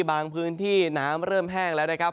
บางพื้นที่น้ำเริ่มแห้งแล้วนะครับ